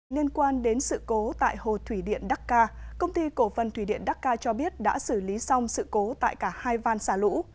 liên quan đến sự cố tại hồ thủy điện đắc ca công ty cổ vân thủy điện đắc ca cho biết đã xử lý xong sự cố tại cả hai van xả lũ